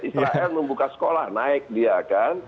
israel membuka sekolah naik dia kan